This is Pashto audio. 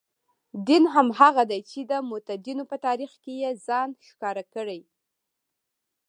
دین هماغه دی چې د متدینو په تاریخ کې یې ځان ښکاره کړی.